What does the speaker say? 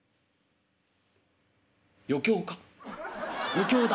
「余興か？」。